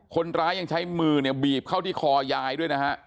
คนร้ายยังใช้มือเนี่ยบีบเข้าที่คอยายด้วยนะฮะ